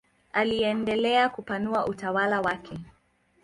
Aliendelea kupanua utawala wake.